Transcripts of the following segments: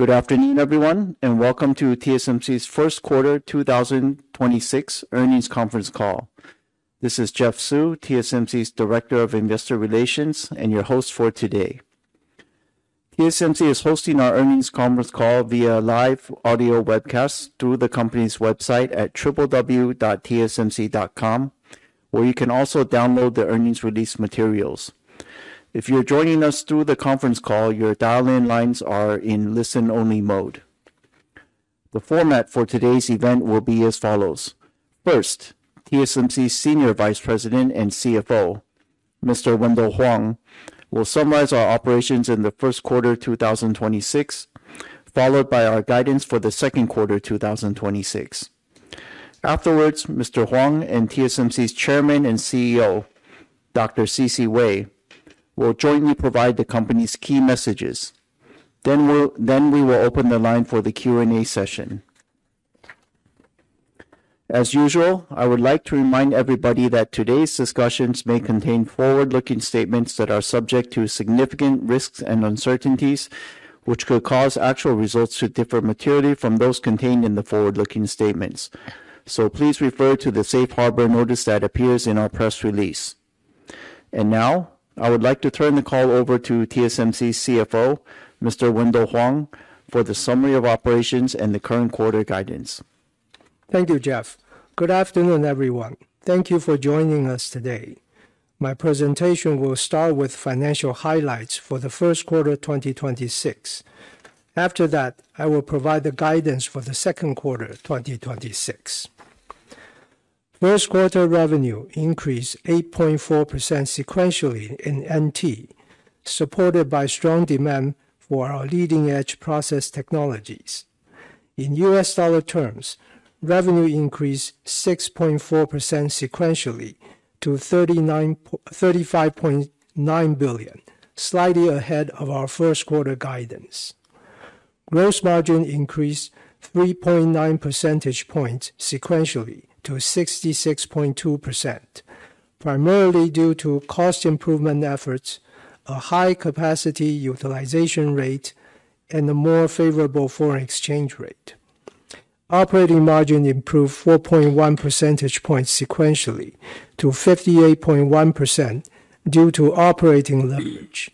Good afternoon, everyone, and welcome to TSMC's First Quarter 2026 Earnings Conference Call. This is Jeff Su, TSMC's Director of Investor Relations and your host for today. TSMC is hosting our earnings conference call via live audio webcast through the company's website at www.tsmc.com, where you can also download the earnings release materials. If you're joining us through the conference call, your dial-in lines are in listen-only mode. The format for today's event will be as follows. First, TSMC's Senior Vice President and CFO, Mr. Wendell Huang, will summarize our operations in the first quarter 2026, followed by our guidance for the second quarter 2026. Afterwards, Mr. Huang and TSMC's Chairman and CEO, Dr. C.C. Wei, will jointly provide the company's key messages. Then we will open the line for the Q&A session. As usual, I would like to remind everybody that today's discussions may contain forward-looking statements that are subject to significant risks and uncertainties, which could cause actual results to differ materially from those contained in the forward-looking statements. Please refer to the safe harbor notice that appears in our press release. Now, I would like to turn the call over to TSMC CFO, Mr. Wendell Huang, for the summary of operations and the current quarter guidance. Thank you, Jeff. Good afternoon, everyone. Thank you for joining us today. My presentation will start with financial highlights for the first quarter 2026. After that, I will provide the guidance for the second quarter 2026. First quarter revenue increased 8.4% sequentially in TWD, supported by strong demand for our leading-edge process technologies. In U.S. dollar terms, revenue increased 6.4% sequentially to $35.9 billion, slightly ahead of our first quarter guidance. Gross margin increased 3.9 percentage points sequentially to 66.2%, primarily due to cost improvement efforts, a high capacity utilization rate, and a more favorable foreign exchange rate. Operating margin improved 4.1 percentage points sequentially to 58.1% due to operating leverage.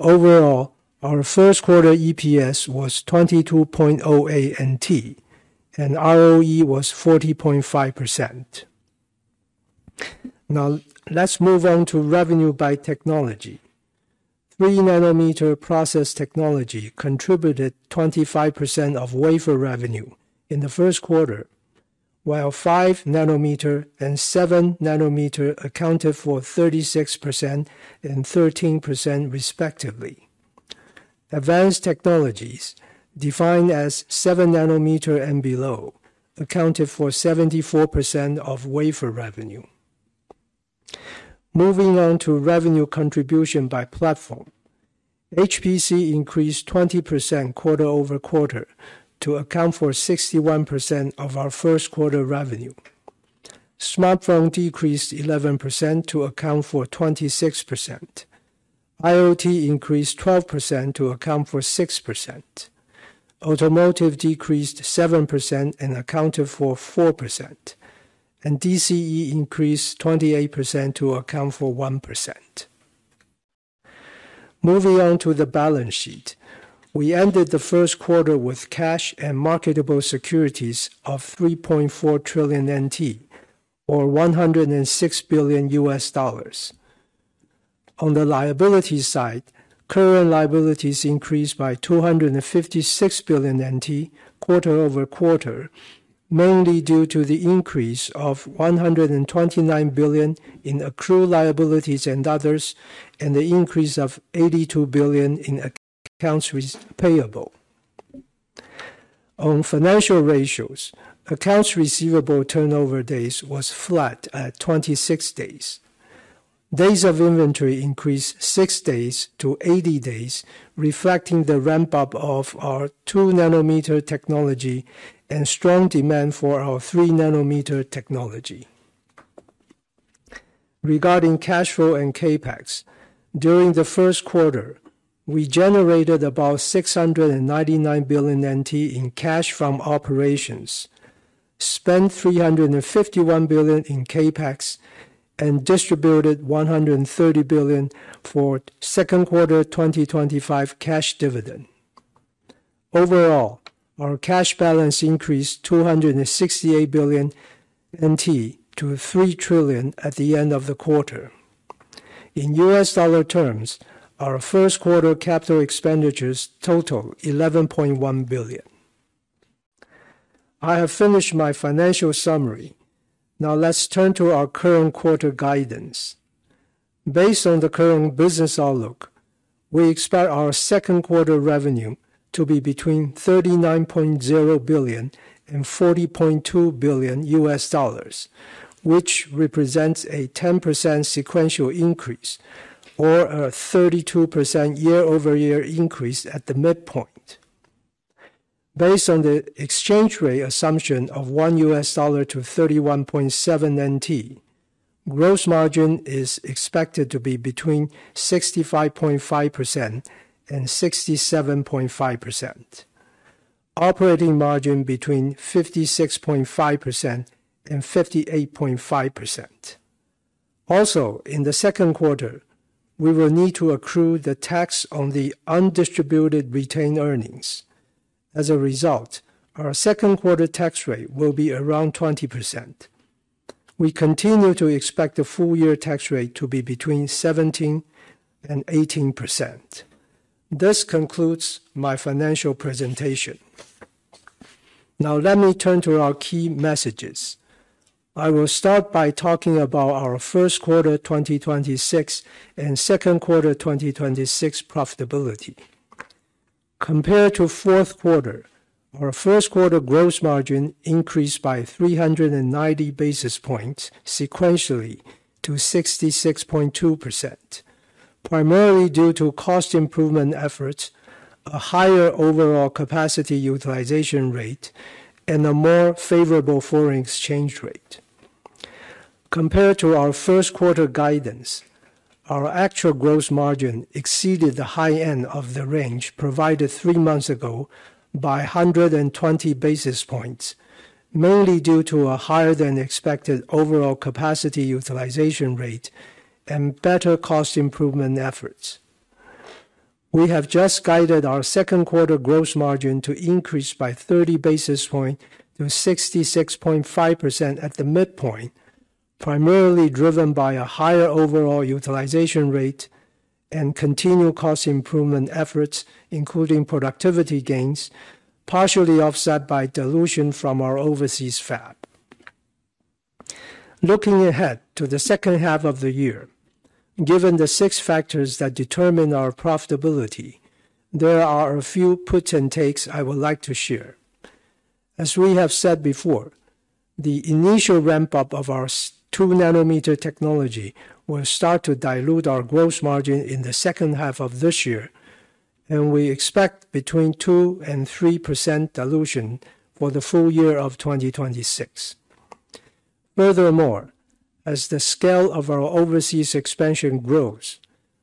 Overall, our first quarter EPS was 22.08 NT and ROE was 40.5%. Now, let's move on to revenue by technology. 3 nm process technology contributed 25% of wafer revenue in the first quarter, while 5 nm and 7 nm accounted for 36% and 13% respectively. Advanced technologies, defined as 7 nm and below, accounted for 74% of wafer revenue. Moving on to revenue contribution by platform. HPC increased 20% quarter-over-quarter to account for 61% of our first quarter revenue. Smartphone decreased 11% to account for 26%. IoT increased 12% to account for 6%. Automotive decreased 7% and accounted for 4%, and DCE increased 28% to account for 1%. Moving on to the balance sheet. We ended the first quarter with cash and marketable securities of 3.4 trillion NT, or $106 billion. On the liability side, current liabilities increased by 256 billion NT quarter-over-quarter, mainly due to the increase of 129 billion in accrued liabilities and others, and the increase of 82 billion in accounts payable. On financial ratios, accounts receivable turnover days was flat at 26 days. Days of inventory increased 6 days to 80 days, reflecting the ramp-up of our 2 nm technology and strong demand for our 3 nm technology. Regarding cash flow and CapEx, during the first quarter, we generated about 699 billion NT in cash from operations, spent 351 billion in CapEx, and distributed 130 billion for second quarter 2025 cash dividend. Overall, our cash balance increased 268 billion NT to 3 trillion at the end of the quarter. In U.S. dollar terms, our first quarter capital expenditures total $11.1 billion. I have finished my financial summary. Now let's turn to our current quarter guidance. Based on the current business outlook, we expect our second quarter revenue to be between $39.0 billion-$40.2 billion, which represents a 10% sequential increase or a 32% year-over-year increase at the midpoint. Based on the exchange rate assumption of one U.S. dollar to 31.7 NT, gross margin is expected to be between 65.5%-67.5%. Operating margin between 56.5%-58.5%. Also, in the second quarter, we will need to accrue the tax on the undistributed retained earnings. As a result, our second quarter tax rate will be around 20%. We continue to expect the full year tax rate to be between 17%-18%. This concludes my financial presentation. Now let me turn to our key messages. I will start by talking about our first quarter 2026 and second quarter 2026 profitability. Compared to fourth quarter, our first quarter gross margin increased by 390 basis points sequentially to 66.2%, primarily due to cost improvement efforts, a higher overall capacity utilization rate, and a more favorable foreign exchange rate. Compared to our first quarter guidance, our actual gross margin exceeded the high end of the range provided three months ago by 120 basis points, mainly due to a higher-than-expected overall capacity utilization rate and better cost improvement efforts. We have just guided our second quarter gross margin to increase by 30 basis points to 66.5% at the midpoint, primarily driven by a higher overall utilization rate and continued cost improvement efforts, including productivity gains, partially offset by dilution from our overseas fab. Looking ahead to the second half of the year, given the six factors that determine our profitability, there are a few puts and takes I would like to share. As we have said before, the initial ramp-up of our 2 nm technology will start to dilute our gross margin in the second half of this year, and we expect between 2% and 3% dilution for the full year of 2026. Furthermore, as the scale of our overseas expansion grows,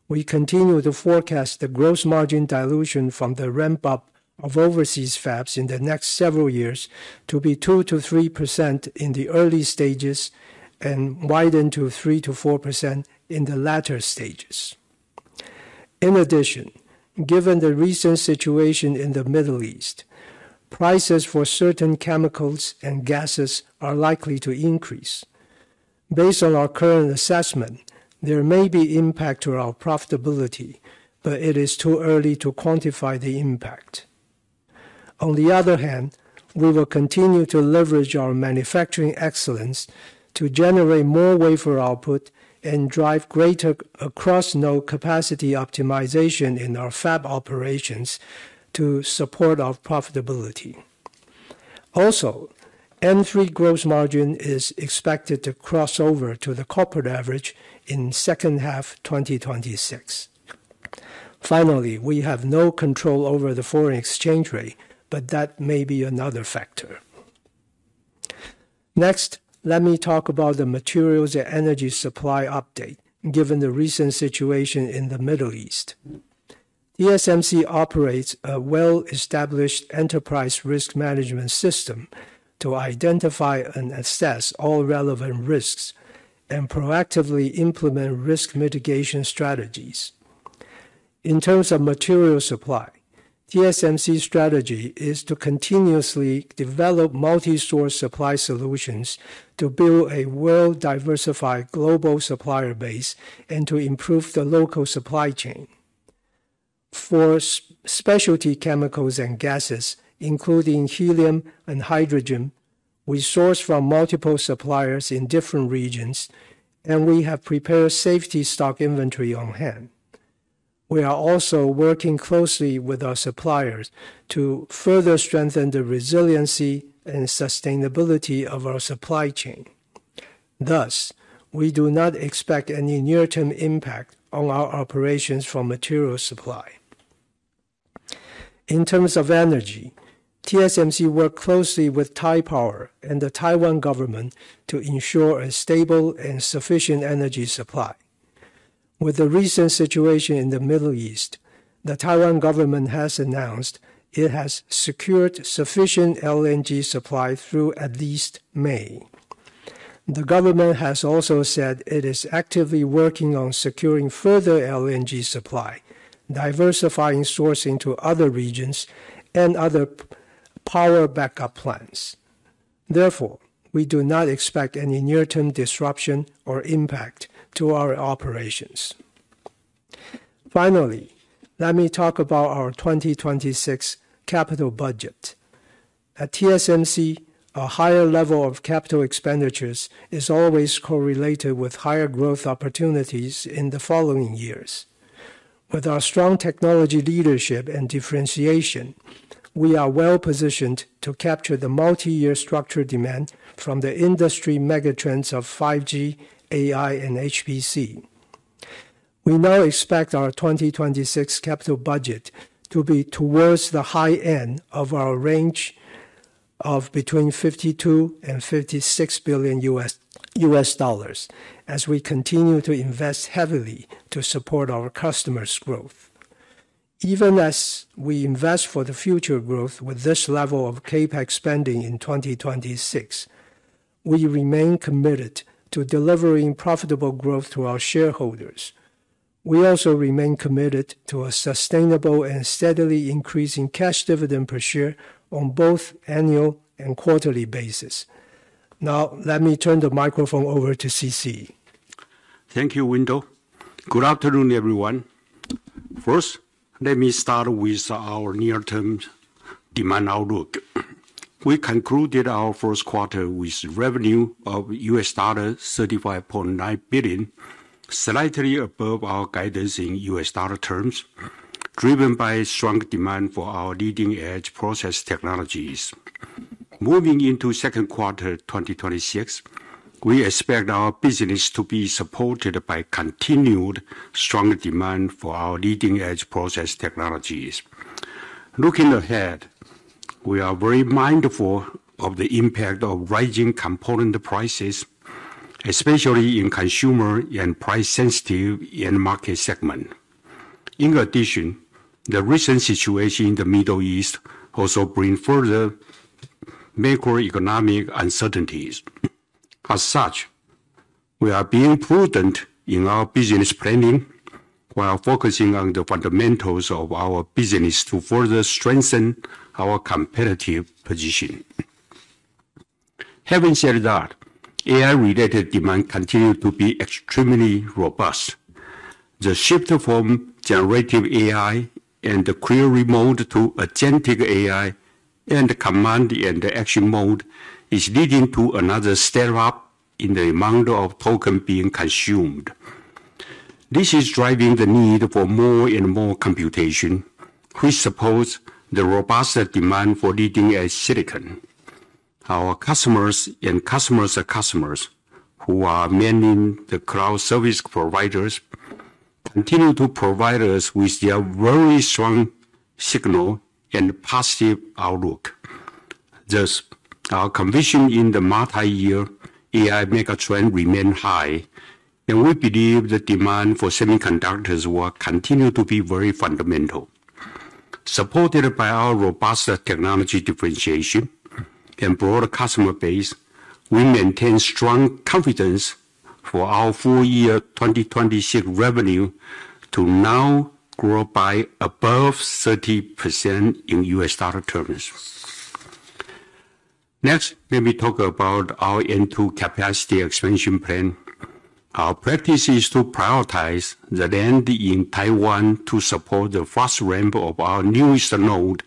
we continue to forecast the gross margin dilution from the ramp-up of overseas fabs in the next several years to be 2%-3% in the early stages and widen to 3%-4% in the latter stages. In addition, given the recent situation in the Middle East, prices for certain chemicals and gases are likely to increase. Based on our current assessment, there may be impact to our profitability, but it is too early to quantify the impact. On the other hand, we will continue to leverage our manufacturing excellence to generate more wafer output and drive greater across node capacity optimization in our fab operations to support our profitability. Also, N3 gross margin is expected to cross over to the corporate average in second half 2026. Finally, we have no control over the foreign exchange rate, but that may be another factor. Next, let me talk about the materials and energy supply update, given the recent situation in the Middle East. TSMC operates a well-established enterprise risk management system to identify and assess all relevant risks and proactively implement risk mitigation strategies. In terms of material supply, TSMC's strategy is to continuously develop multi-source supply solutions to build a well-diversified global supplier base and to improve the local supply chain. For specialty chemicals and gases, including helium and hydrogen, we source from multiple suppliers in different regions, and we have prepared safety stock inventory on hand. We are also working closely with our suppliers to further strengthen the resiliency and sustainability of our supply chain. Thus, we do not expect any near-term impact on our operations from material supply. In terms of energy, we work closely with Taipower and the Taiwan government to ensure a stable and sufficient energy supply. With the recent situation in the Middle East, the Taiwan government has announced it has secured sufficient LNG supply through at least May. The government has also said it is actively working on securing further LNG supply, diversifying sourcing to other regions, and other power backup plans. Therefore, we do not expect any near-term disruption or impact to our operations. Finally, let me talk about our 2026 capital budget. At TSMC, a higher level of capital expenditures is always correlated with higher growth opportunities in the following years. With our strong technology leadership and differentiation, we are well positioned to capture the multiyear structural demand from the industry megatrends of 5G, AI, and HPC. We now expect our 2026 capital budget to be towards the high end of our range of between $52 billion-$56 billion as we continue to invest heavily to support our customers' growth. Even as we invest for the future growth with this level of CapEx spending in 2026, we remain committed to delivering profitable growth to our shareholders. We also remain committed to a sustainable and steadily increasing cash dividend per share on both annual and quarterly basis. Now, let me turn the microphone over to C.C. Thank you, Wendell. Good afternoon, everyone. First, let me start with our near-term demand outlook. We concluded our first quarter with revenue of $35.9 billion, slightly above our guidance in U.S. dollar terms, driven by strong demand for our leading-edge process technologies. Moving into second quarter 2026, we expect our business to be supported by continued strong demand for our leading-edge process technologies. Looking ahead, we are very mindful of the impact of rising component prices, especially in consumer and price-sensitive end-market segment. In addition, the recent situation in the Middle East also bring further macroeconomic uncertainties. As such, we are being prudent in our business planning while focusing on the fundamentals of our business to further strengthen our competitive position. Having said that, AI related demand continued to be extremely robust. The shift from generative AI and the query mode to agentic AI and the command and the action mode is leading to another step up in the amount of tokens being consumed. This is driving the need for more and more computation, which supports the robust demand for leading-edge silicon. Our customers and customers of customers, the cloud service providers, continue to provide us with their very strong signal and positive outlook. Thus, our conviction in the multi-year AI megatrend remain high, and we believe the demand for semiconductors will continue to be very fundamental. Supported by our robust technology differentiation and broader customer base, we maintain strong confidence for our full year 2026 revenue to now grow by above 30% in U.S. dollar terms. Next, let me talk about our N2 capacity expansion plan. Our practice is to prioritize the land in Taiwan to support the fast ramp of our newest node,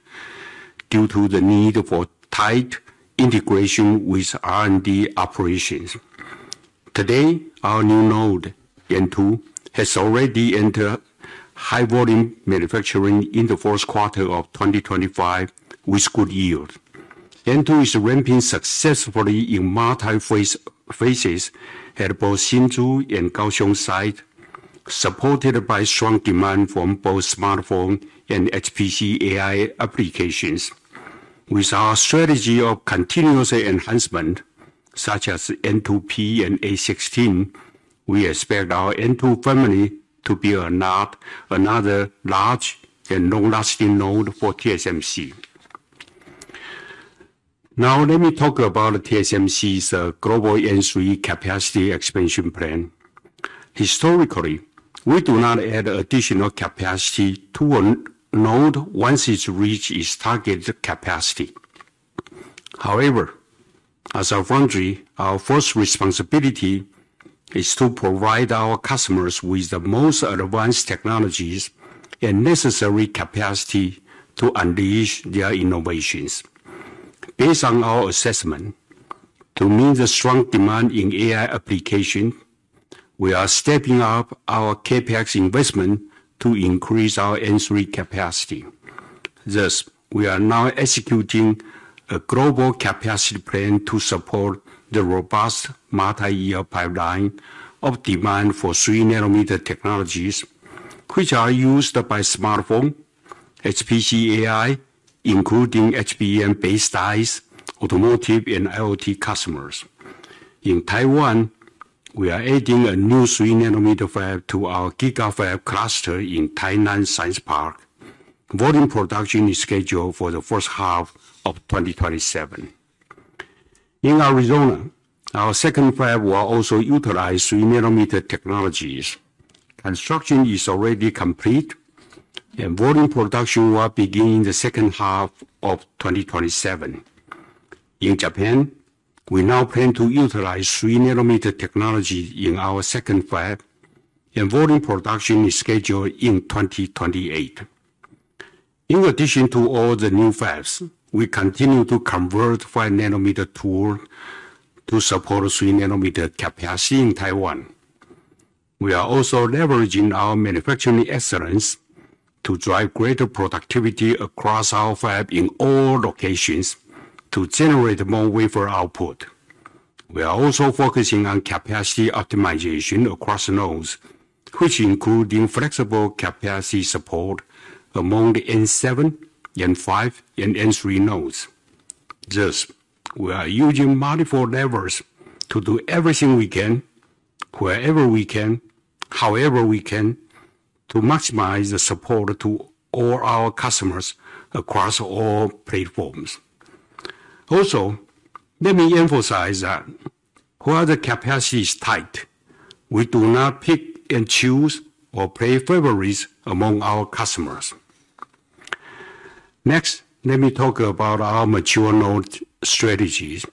due to the need for tight integration with R&D operations. Today, our new node, N2, has already entered high-volume manufacturing in the fourth quarter of 2025 with good yield. N2 is ramping successfully in multi-phases at both Hsinchu and Kaohsiung site, supported by strong demand from both smartphone and HPC AI applications. With our strategy of continuous enhancement, such as N2P and A16, we expect our N2 family to be another large and long-lasting node for TSMC. Now let me talk about TSMC's global N3 capacity expansion plan. Historically, we do not add additional capacity to a node once it's reached its target capacity. However, as a foundry, our first responsibility is to provide our customers with the most advanced technologies and necessary capacity to unleash their innovations. Based on our assessment, to meet the strong demand in AI application, we are stepping up our CapEx investment to increase our N3 capacity. Thus, we are now executing a global capacity plan to support the robust multi-year pipeline of demand for 3 nm technologies, which are used by smartphone, HPC AI, including HBM-based ASICs, automotive and IoT customers. In Taiwan, we are adding a new 3 nm fab to our GigaFab cluster in Tainan Science Park. Volume production is scheduled for the first half of 2027. In Arizona, our second fab will also utilize 3 nm technologies. Construction is already complete, and volume production will begin in the second half of 2027. In Japan, we now plan to utilize 3 nm technology in our second fab, and volume production is scheduled in 2028. In addition to all the new fabs, we continue to convert 5 nm tools to support 3 nm capacity in Taiwan. We are also leveraging our manufacturing excellence to drive greater productivity across our fabs in all locations to generate more wafer output. We are also focusing on capacity optimization across nodes, which includes flexible capacity support among the N7, N5, and N3 nodes. Thus, we are using multiple levers to do everything we can, wherever we can, however we can, to maximize the support to all our customers across all platforms. Also, let me emphasize that where the capacity is tight, we do not pick and choose or play favorites among our customers. Next, let me talk about our mature-node strategies.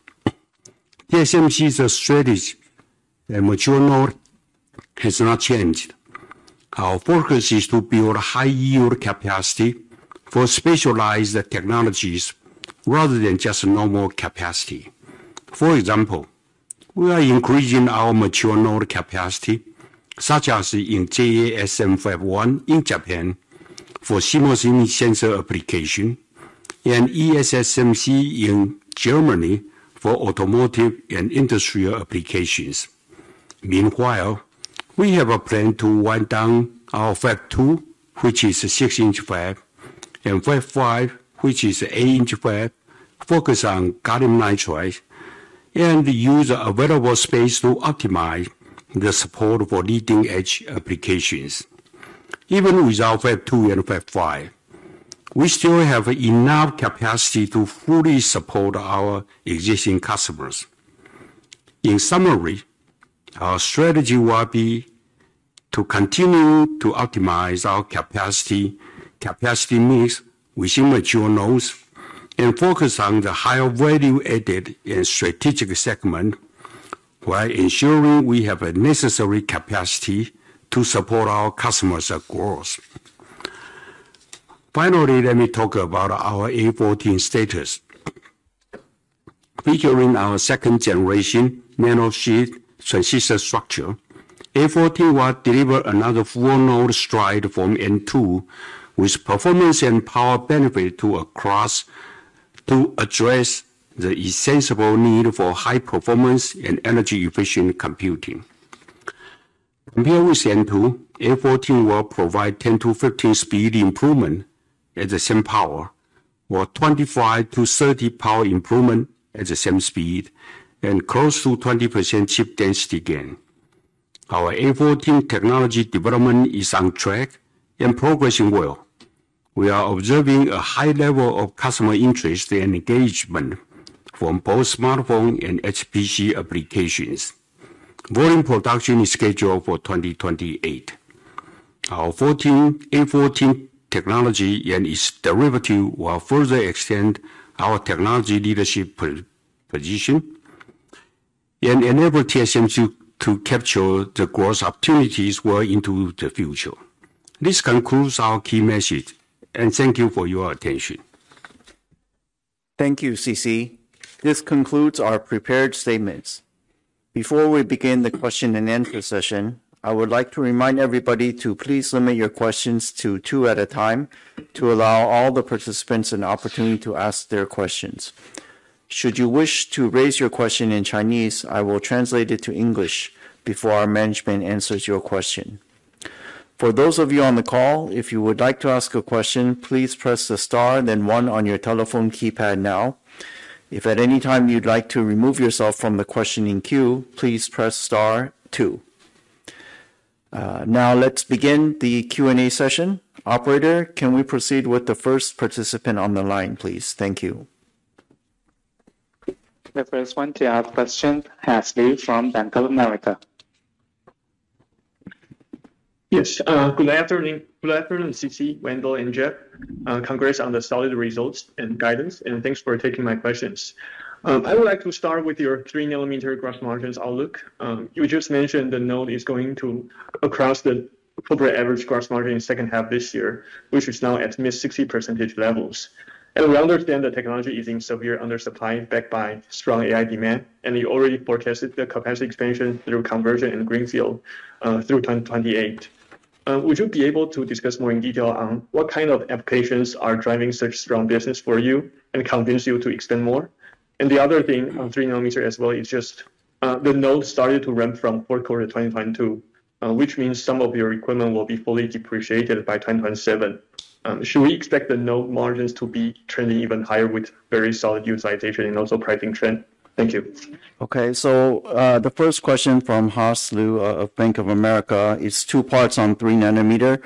TSMC's strategy in mature nodes has not changed. Our focus is to build high-yield capacity for specialized technologies rather than just normal capacity. For example, we are increasing our mature node capacity, such as in JASM Fab 1 in Japan for CMOS image sensor application, and ESMC in Germany for automotive and industrial applications. Meanwhile, we have a plan to wind down our Fab 2, which is a six-inch fab, and Fab 5, which is an eight-inch fab, focus on gallium nitride, and use available space to optimize the support for leading-edge applications. Even without Fab 2 and Fab 5, we still have enough capacity to fully support our existing customers. In summary, our strategy will be to continue to optimize our capacity needs within mature nodes and focus on the higher value-added and strategic segment, while ensuring we have a necessary capacity to support our customers' growth. Finally, let me talk about our A14 status. Featuring our second-generation nanosheet transistor structure, A14 will deliver another full-node stride from N2 with performance and power benefit to address the essential need for high performance and energy-efficient computing. Compared with N2, A14 will provide 10%-15% speed improvement at the same power, or 25%-30% power improvement at the same speed, and close to 20% chip density gain. Our A14 technology development is on track and progressing well. We are observing a high level of customer interest and engagement from both smartphone and HPC applications. Volume production is scheduled for 2028. Our A14 technology and its derivative will further extend our technology leadership position and enable TSMC to capture the growth opportunities well into the future. This concludes our key message, and thank you for your attention. Thank you, C.C. This concludes our prepared statements. Before we begin the question and answer session, I would like to remind everybody to please limit your questions to two at a time to allow all the participants an opportunity to ask their questions. Should you wish to raise your question in Chinese, I will translate it to English before our management answers your question. For those of you on the call, if you would like to ask a question, please press the star and then one on your telephone keypad now. If at any time you'd like to remove yourself from the questioning queue, please press star two. Now let's begin the Q&A session. Operator, can we proceed with the first participant on the line, please? Thank you. The first one to ask a question, Haas Liu from Bank of America. Yes. Good afternoon, C.C., Wendell, and Jeff. Congrats on the solid results and guidance, and thanks for taking my questions. I would like to start with your three nm gross margins outlook. You just mentioned the node is going to achieve the appropriate average gross margin in the second half of this year, which is now at mid-60% levels. We understand the technology is in severe undersupply backed by strong AI demand, and you already forecasted the capacity expansion through conversion and greenfield through 2028. Would you be able to discuss more in detail on what kind of applications are driving such strong business for you and what convinces you to extend more? The other thing on three nm as well is just the node started to ramp from fourth quarter 2022, which means some of your equipment will be fully depreciated by 2027. Should we expect the node margins to be trending even higher with very solid utilization and also pricing trend? Thank you. Okay. The first question from Haas Liu of Bank of America is 2 parts on 3 nm.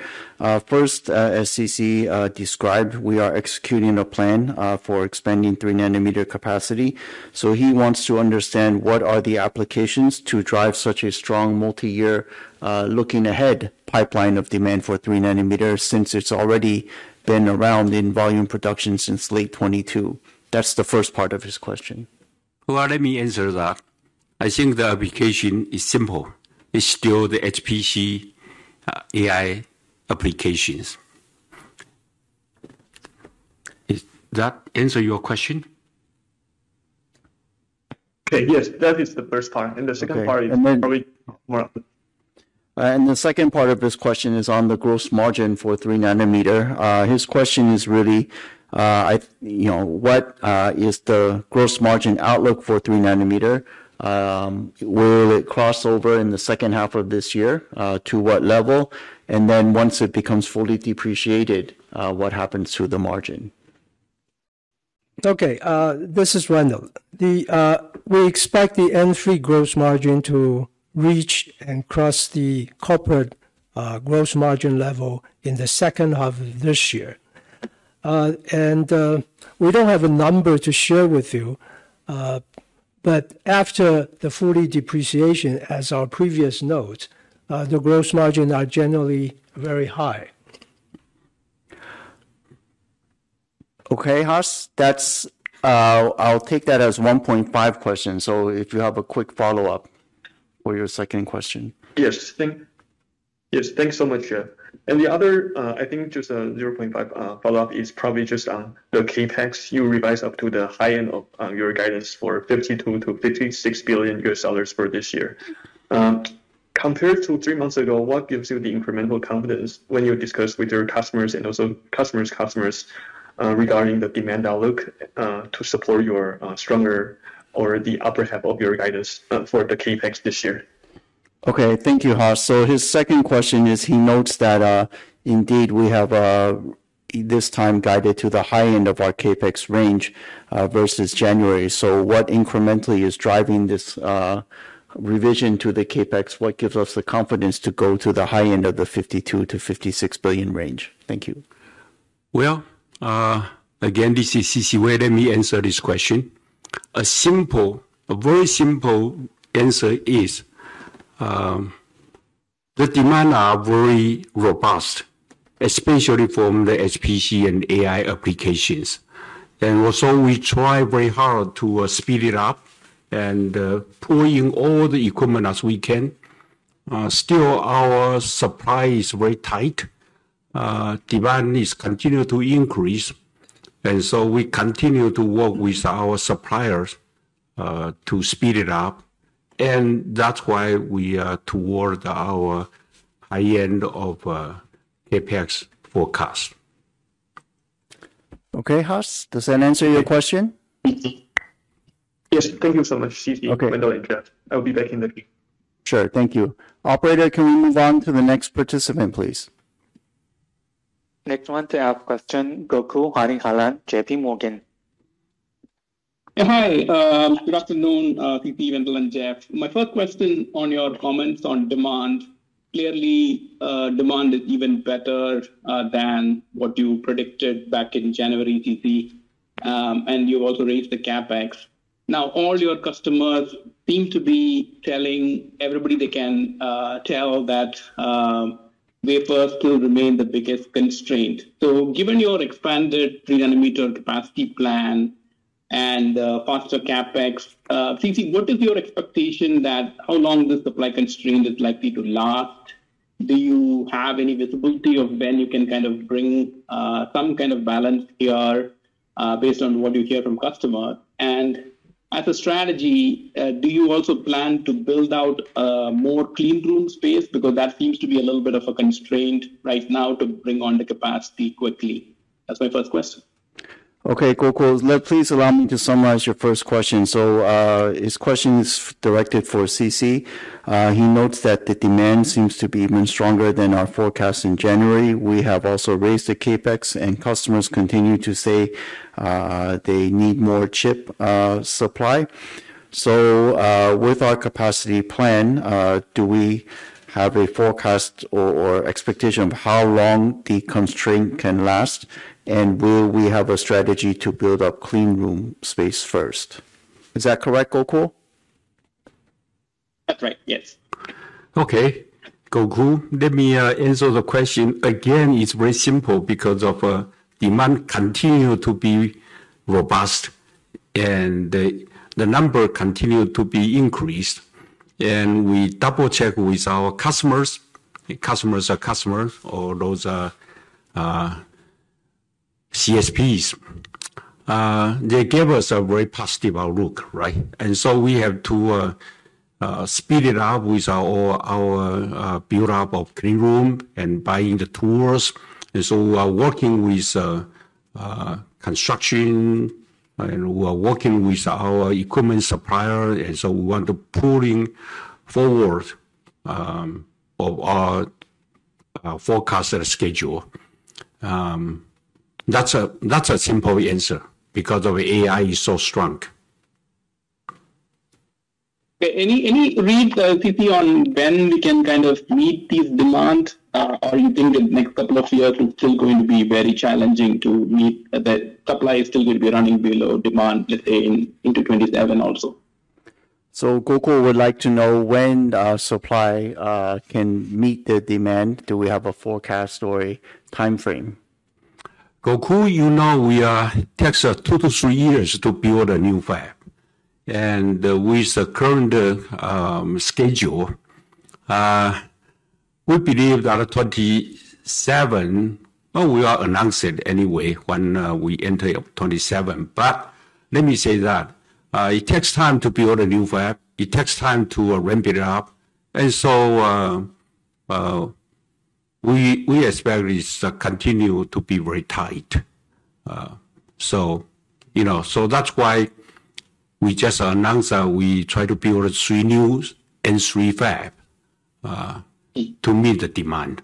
First, as C.C. described, we are executing a plan for expanding 3 nm capacity. He wants to understand what are the applications to drive such a strong multi-year, looking ahead pipeline of demand for 3 nm since it's already been around in volume production since late 2022. That's the first part of his question. Well, let me answer that. I think the application is simple. It's still the HPC AI applications. Does that answer your question? Okay, yes. That is the first part. The second part is probably more- The second part of this question is on the gross margin for 3 nm. His question is really, what is the gross margin outlook for 3 nm? Will it cross over in the second half of this year? To what level? Once it becomes fully depreciated, what happens to the margin? This is Wendell. We expect the N3 gross margin to reach and cross the corporate gross margin level in the second half of this year. We don't have a number to share with you. After the full depreciation, as per our previous nodes, the gross margin are generally very high. Okay, Haas. I'll take that as 1.5 questions. If you have a quick follow-up for your second question. Yes, thanks so much, Jeff. The other, I think just a 0.5 follow-up, is probably just on the CapEx. You revised up to the high end of your guidance for $52 billion-$56 billion for this year. Compared to three months ago, what gives you the incremental confidence when you discuss with your customers and also customers' customers, regarding the demand outlook to support your stronger or the upper half of your guidance for the CapEx this year? Okay, thank you, Haas. His second question is, he notes that, indeed, we have this time guided to the high end of our CapEx range versus January. What incrementally is driving this revision to the CapEx? What gives us the confidence to go to the high end of the $52 billion-$56 billion range? Thank you. Well, again, this is C.C. Wei. Let me answer this question. A very simple answer is, the demand are very robust, especially from the HPC and AI applications. We try very hard to speed it up and pull in all the equipment as we can. Still, our supply is very tight. Demand is continue to increase, and so we continue to work with our suppliers to speed it up. That's why we are toward our high end of CapEx forecast. Okay, Haas, does that answer your question? Yes. Thank you so much, C.C. Okay. Wendell and Jeff. I will be back in the queue. Sure. Thank you. Operator, can we move on to the next participant, please? Next one to ask question, Gokul Hariharan, JPMorgan. Hi, good afternoon, C.C., Wendell, and Jeff. My first question on your comments on demand. Clearly, demand is even better than what you predicted back in January, CC, and you also raised the CapEx. Now all your customers seem to be telling everybody they can tell that wafers still remain the biggest constraint. Given your expanded three nm capacity plan and faster CapEx, CC, what is your expectation that how long this supply constraint is likely to last? Do you have any visibility of when you can kind of bring some kind of balance here based on what you hear from customer? As a strategy, do you also plan to build out more clean room space? Because that seems to be a little bit of a constraint right now to bring on the capacity quickly. That's my first question. Okay, Gokul. Please allow me to summarize your first question. His question is directed for C.C. He notes that the demand seems to be even stronger than our forecast in January. We have also raised the CapEx, and customers continue to say they need more chip supply. With our capacity plan, do we have a forecast or expectation of how long the constraint can last? And will we have a strategy to build up clean room space first? Is that correct, Gokul? That's right, yes. Okay. Gokul, let me answer the question. Again, it's very simple, because of demand continue to be robust and the number continued to be increased. We double-check with our customers or those CSPs. They gave us a very positive outlook, right? We have to speed it up with our build-up of clean room and buying the tools. We are working with construction and we are working with our equipment supplier. We want to pulling forward our forecasted schedule. That's a simple answer because of AI is so strong. Any read, C.C., on when we can kind of meet this demand? Or you think the next couple of years is still going to be very challenging to meet? That supply is still going to be running below demand, let's say, into 2027 also. Gokul would like to know when our supply can meet the demand. Do we have a forecast or a time frame? Gokul, you know it takes 2-3 years to build a new fab. With the current schedule, we believe that 2027. We'll announce it anyway when we enter 2027. Let me say that it takes time to build a new fab. It takes time to ramp it up. We expect this to continue to be very tight. That's why we just announced that we try to build three new and three fab to meet the demand.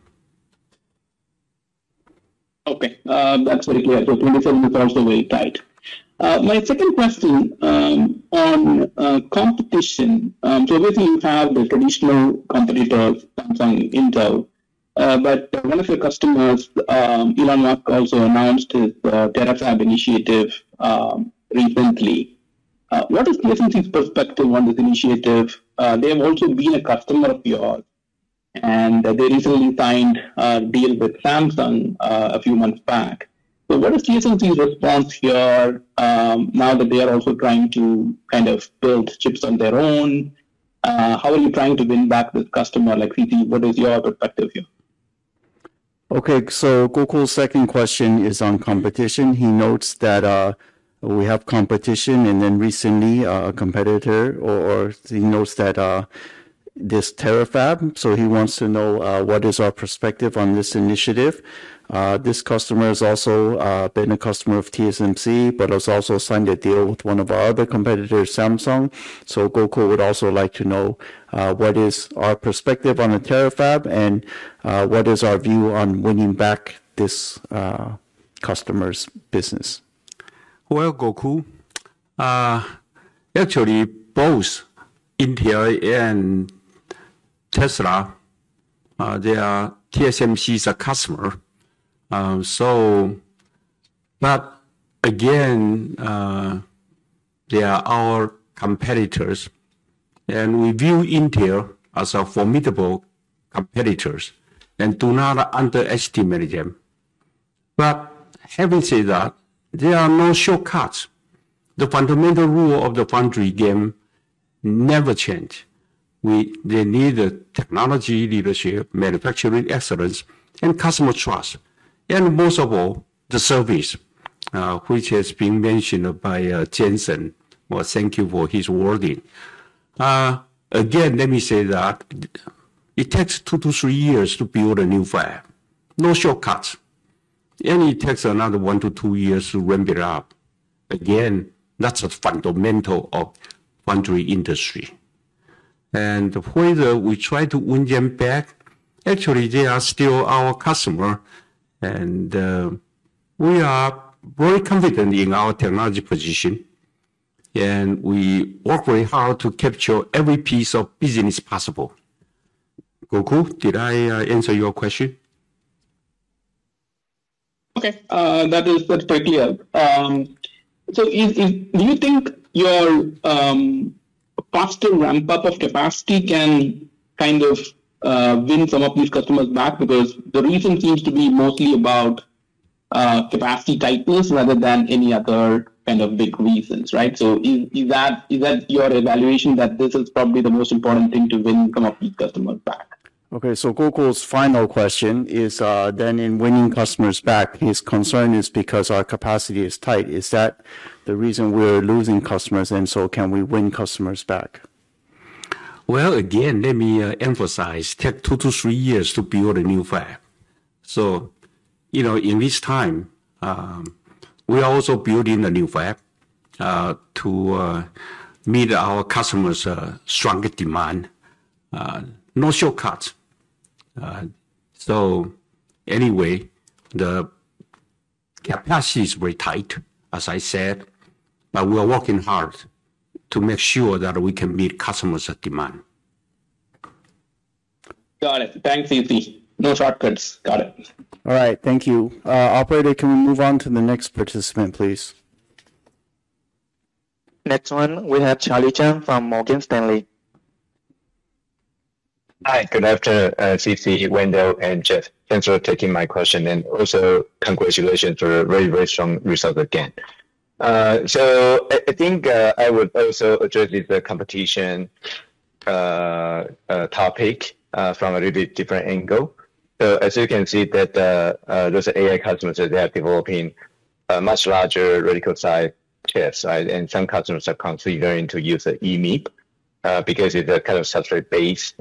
Okay. That's very clear. 2024 is also very tight. My second question on competition, so obviously you have the traditional competitor, Samsung, Intel. One of your customers, Elon Musk, also announced his Terafab initiative recently. What is TSMC's perspective on this initiative? They have also been a customer of yours, and they recently signed a deal with Samsung a few months back. What is TSMC's response here now that they are also trying to build chips on their own? How are you trying to win back this customer loyalty? What is your perspective here? Okay. Gokul's second question is on competition. He notes that we have competition, and then recently, he notes that this Terafab. He wants to know what is our perspective on this initiative. This customer has also been a customer of TSMC, but has also signed a deal with one of our other competitors, Samsung. Gokul would also like to know what is our perspective on the Terafab and what is our view on winning back this customer's business. Well, Gokul, actually, both Intel and Tesla, they are TSMC's customer. Again, they are our competitors, and we view Intel as our formidable competitors and do not underestimate them. Having said that, there are no shortcuts. The fundamental rule of the foundry game never change. They need the technology leadership, manufacturing excellence, and customer trust, and most of all, the service, which has been mentioned by Jensen. Well, thank you for his wording. Again, let me say that it takes 2-3 years to build a new fab. No shortcuts. It takes another 1-2 years to ramp it up. Again, that's a fundamental of foundry industry. Whether we try to win them back, actually, they are still our customer, and we are very confident in our technology position, and we work very hard to capture every piece of business possible. Gokul, did I answer your question? Okay. That is quite clear. Do you think your faster ramp-up of capacity can kind of win some of these customers back? Because the reason seems to be mostly about capacity tightness rather than any other kind of big reasons, right? Is that your evaluation, that this is probably the most important thing to win some of these customers back? Okay. Gokul's final question is then in winning customers back, his concern is because our capacity is tight. Is that the reason we're losing customers, and so can we win customers back? Well, again, let me emphasize, it takes 2-3 years to build a new fab. In this time, we are also building a new fab to meet our customers' stronger demand. No shortcuts. Anyway, the capacity is very tight, as I said, but we are working hard to make sure that we can meet customers' demand. Got it. Thanks, C.C. No shortcuts. Got it. All right. Thank you. Operator, can we move on to the next participant, please? Next one, we have Charlie Chan from Morgan Stanley. Hi. Good afternoon, C.C., Wendell, and Jeff. Thanks for taking my question, and also congratulations for a very, very strong result again. I think I would also address this competition topic from a little bit different angle. As you can see that those AI customers, they are developing a much larger reticle size chips. Some customers are considering to use EMIB, because it's a kind of substrate-based,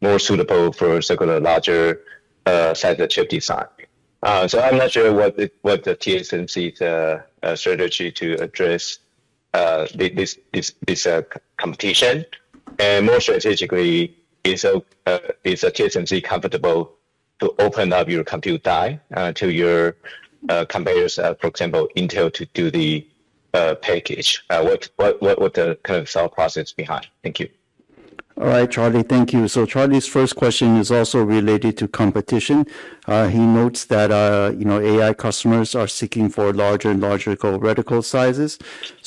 more suitable for secular larger side of chip design. I'm not sure what the TSMC's strategy to address this competition. More strategically, is TSMC comfortable to open up your compute die to your competitors, for example, Intel, to do the package? What's the kind of sales process behind? Thank you. All right. Charlie, thank you. Charlie's first question is also related to competition. He notes that AI customers are seeking for larger and larger reticle sizes.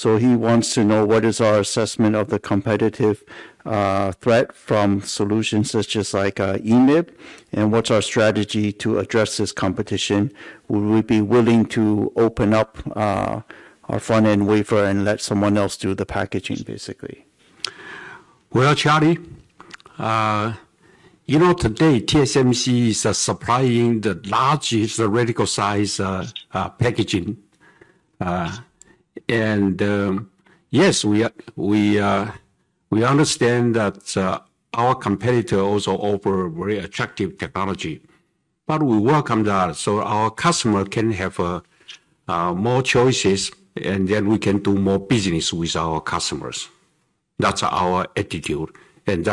He wants to know what is our assessment of the competitive threat from solutions such as like EMIB, and what's our strategy to address this competition. Would we be willing to open up our front-end wafer and let someone else do the packaging, basically? Well, Charlie, today TSMC is supplying the largest reticle size packaging. Yes, we understand that our competitors offer very attractive technology, but we welcome that so our customer can have more choices, and then we can do more business with our customers. That's our attitude. Saying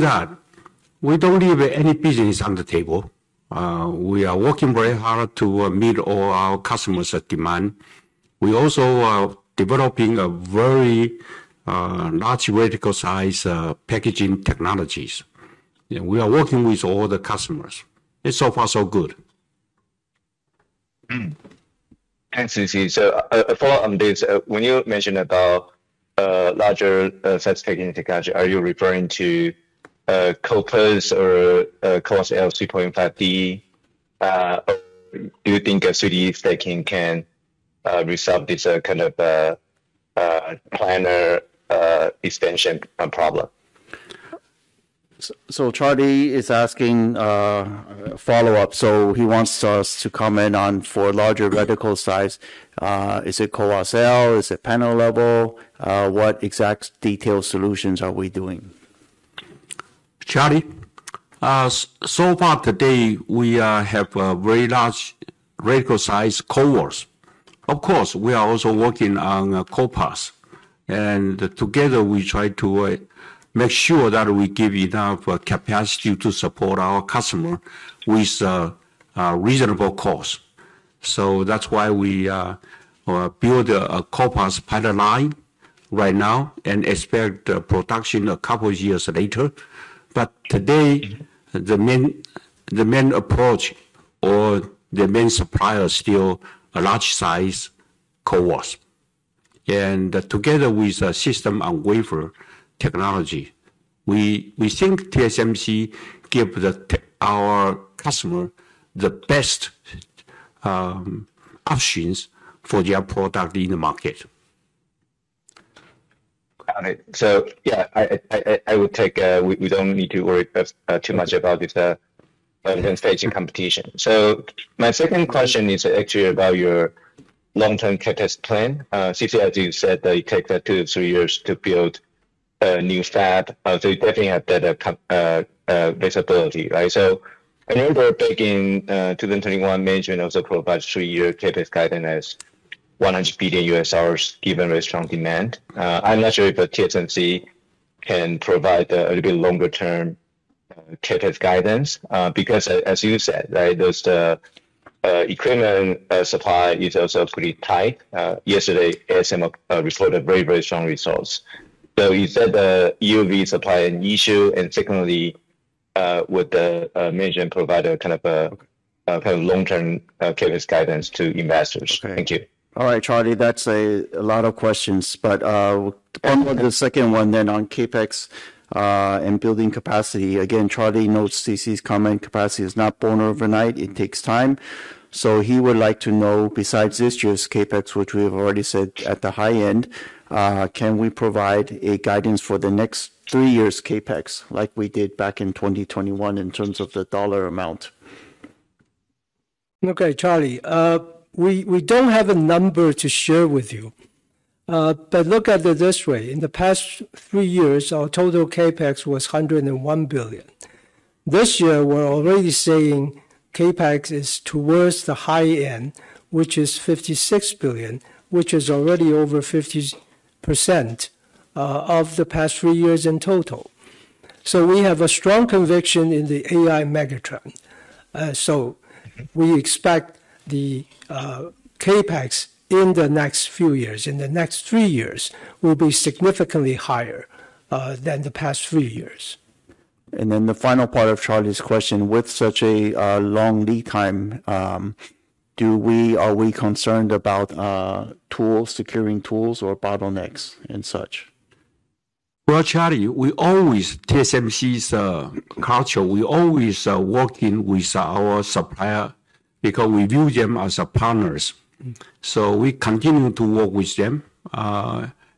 that, we don't leave any business on the table. We are working very hard to meet all our customers' demand. We also are developing a very large reticle size packaging technologies. We are working with all the customers. It's so far so good. Thanks, C.C. A follow-on this, when you mentioned about larger size packaging technology, are you referring to CoWoS or CoWoS-L 2.5D? Do you think a 3D stacking can resolve this kind of planar expansion problem? Charlie is asking a follow-up, so he wants us to comment on, for larger reticle size, is it CoWoS-L? Is it panel level? What exact detailed solutions are we doing? Charlie, so far today, we have a very large reticle size CoWoS. Of course, we are also working on CoWoS. Together we try to make sure that we give enough capacity to support our customer with a reasonable cost. That's why we build a CoWoS pilot line right now and expect production a couple years later. Today, the main approach or the main supplier is still a large-size CoWoS. Together with system and wafer technology, we think TSMC give our customer the best options for their product in the market. Got it. Yeah, I would say we don't need to worry too much about this packaging competition. My second question is actually about your long-term CapEx plan. C.C., as you said, that it takes two to three years to build a new fab. You definitely have better visibility, right? I know we're sticking to the 2021 three-year CapEx guidance, $100 billion given very strong demand. I'm not sure if TSMC can provide a little bit longer term CapEx guidance. Because as you said, right, the equipment supply is also pretty tight. Yesterday, ASML reported very, very strong results. You said the EUV supply is an issue, and secondly, would the management provide a kind of long-term CapEx guidance to investors? Thank you. All right, Charlie, that's a lot of questions, but on to the second one then on CapEx and building capacity. Again, Charlie notes C.C.'s comment, capacity is not born overnight. It takes time. He would like to know, besides this year's CapEx, which we have already said at the high end, can we provide a guidance for the next three years' CapEx, like we did back in 2021 in terms of the dollar amount? Okay, Charlie. We don't have a number to share with you. Look at it this way, in the past three years, our total CapEx was $101 billion. This year, we're already saying CapEx is towards the high end, which is $56 billion, which is already over 50% of the past three years in total. We have a strong conviction in the AI mega trend. We expect the CapEx in the next few years, in the next three years, will be significantly higher than the past three years. The final part of Charlie's question, with such a long lead time, are we concerned about tools, securing tools or bottlenecks and such? Well, Charlie, TSMC's culture, we always working with our supplier because we view them as partners. We continue to work with them,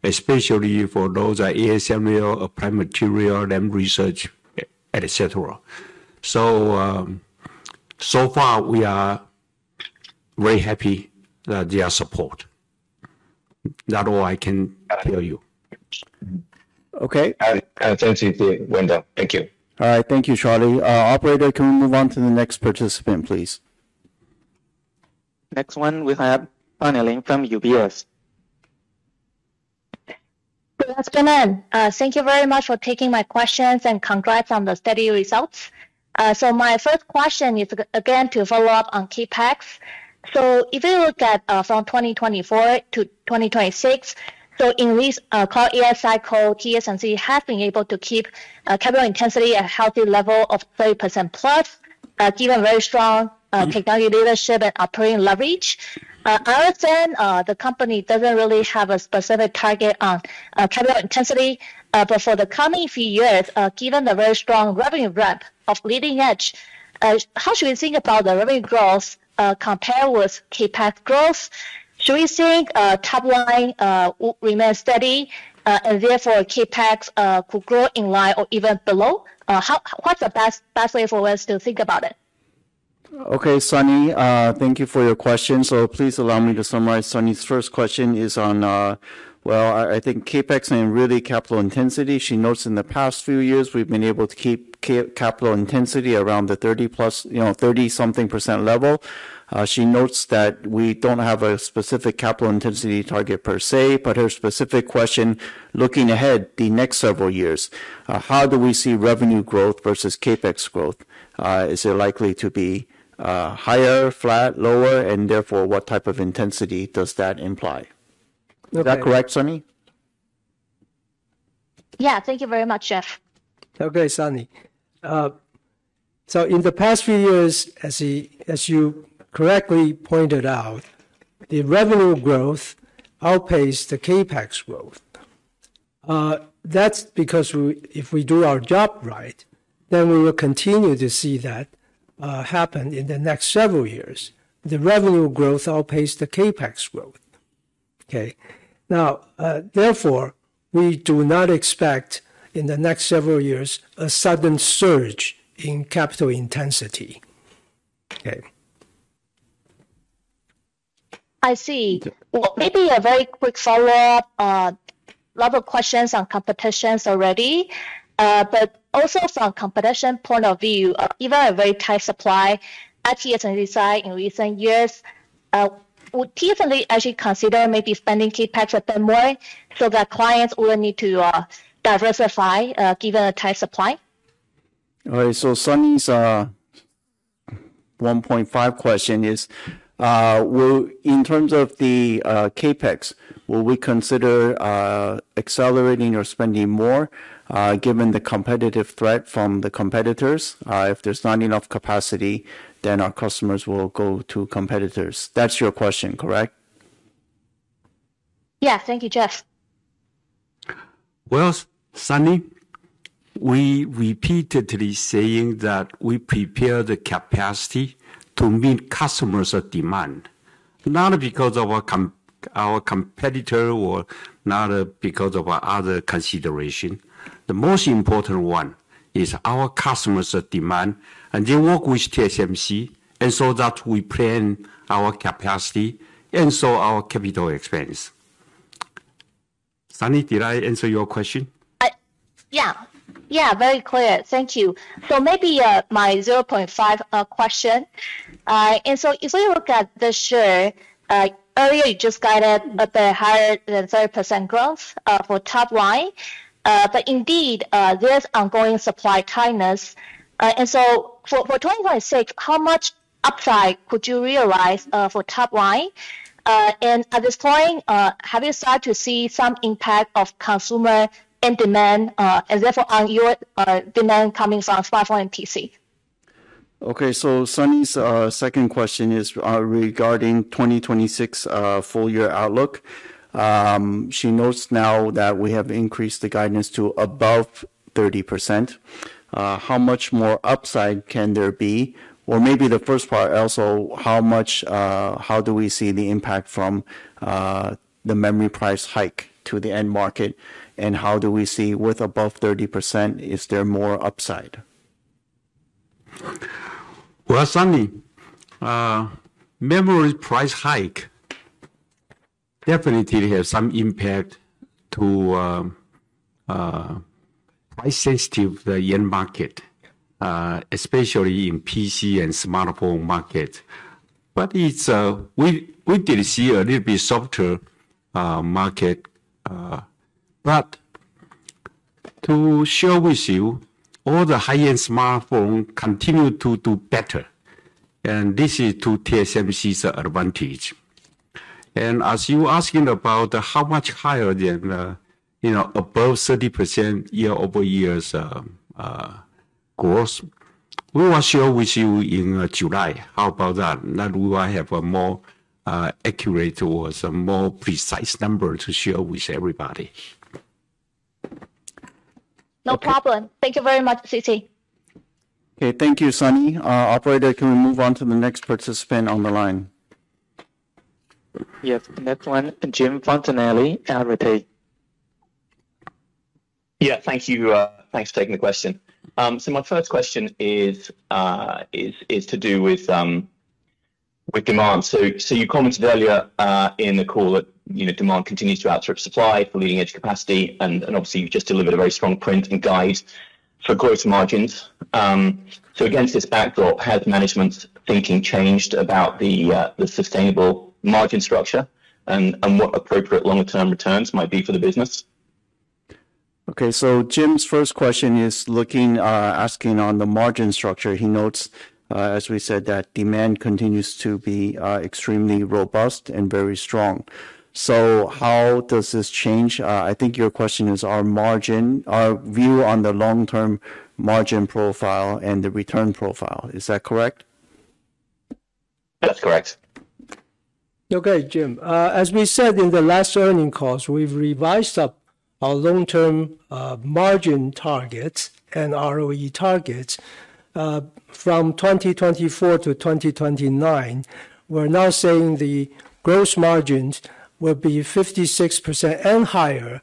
especially for those ASML, Applied Materials, Lam Research, et cetera. So far we are very happy with their support. That's all I can tell you. Okay. Thank you. Wendell. Thank you. All right. Thank you, Charlie. Operator, can we move on to the next participant, please? Next one we have Sunny Lin from UBS. Good afternoon. Thank you very much for taking my questions, and congrats on the steady results. My first question is, again, to follow up on CapEx. If you look at from 2024 to 2026, so in this current AI cycle, TSMC has been able to keep capital intensity at a healthy level of 30%+, given very strong technology leadership and operating leverage. I understand the company doesn't really have a specific target on capital intensity. For the coming few years, given the very strong revenue ramp of leading edge, how should we think about the revenue growth, compare with CapEx growth? Should we think top line will remain steady, and therefore CapEx could grow in line or even below? What's the best way for us to think about it? Okay, Sunny. Thank you for your question. Please allow me to summarize. Sunny's first question is on, well, I think CapEx and really capital intensity. She notes in the past few years, we've been able to keep capital intensity around the 30-something% level. She notes that we don't have a specific capital intensity target per se, but her specific question, looking ahead the next several years, how do we see revenue growth versus CapEx growth? Is it likely to be higher, flat, lower? And therefore, what type of intensity does that imply? Okay. Is that correct, Sunny? Yeah. Thank you very much, Jeff. Okay, Sunny. In the past few years, as you correctly pointed out, the revenue growth outpaced the CapEx growth. That's because if we do our job right, then we will continue to see that happen in the next several years. The revenue growth outpace the CapEx growth. Okay. Now, therefore, we do not expect in the next several years a sudden surge in capital intensity. Okay. I see. Well, maybe a very quick follow-up. Lot of questions on competition already. Also from competition point of view, given a very tight supply at TSMC side in recent years, would TSMC actually consider maybe spending CapEx a bit more so that clients will need to diversify, given a tight supply? All right. Sunny's 1.5 question is, in terms of the CapEx, will we consider accelerating or spending more, given the competitive threat from the competitors? If there's not enough capacity, then our customers will go to competitors. That's your question, correct? Yeah. Thank you, Jeff. Well, Sunny, we repeatedly saying that we prepare the capacity to meet customers' demand, not because of our competitor or not because of other consideration. The most important one is our customer's demand, and they work with TSMC, and so that we plan our capacity and so our capital expense. Sunny, did I answer your question? Yeah. Very clear. Thank you. maybe my 0.5 question. if we look at this year, earlier you just guided at the higher than 30% growth, for top line. indeed, there is ongoing supply tightness. for 2026, how much upside could you realize, for top line? at this point, have you started to see some impact of consumer demand, and therefore on your demand coming from smartphone and PC? Okay. Sunny's second question is regarding 2026 full year outlook. She notes now that we have increased the guidance to above 30%. How much more upside can there be? Or maybe the first part also, how do we see the impact from the memory price hike to the end market, and how do we see with above 30%, is there more upside? Well, Sunny, memory price hike definitely has some impact to price sensitive end market, especially in PC and smartphone market. We did see a little bit softer market. To share with you, all the high-end smartphone continue to do better, and this is to TSMC's advantage. As you asking about how much higher than above 30% year-over-year growth, we will share with you in July. How about that? We will have a more accurate or a more precise number to share with everybody. No problem. Thank you very much, C.C. Okay. Thank you, Sunny. Operator, can we move on to the next participant on the line? Yes. The next one, Jim Fontanelli, Arete. Yeah. Thank you. Thanks for taking the question. My first question is to do with demand. You commented earlier in the call that demand continues to outstrip supply for leading edge capacity, and obviously you've just delivered a very strong print and guide for gross margins. Against this backdrop, has management's thinking changed about the sustainable margin structure and what appropriate longer term returns might be for the business? Okay. Jim's first question is asking on the margin structure. He notes, as we said, that demand continues to be extremely robust and very strong. How does this change? I think your question is our view on the long-term margin profile and the return profile. Is that correct? That's correct. Okay, Jim. As we said in the last earnings calls, we've revised up our long-term margin targets and ROE targets from 2024 to 2025. We're now saying the gross margins will be 56% and higher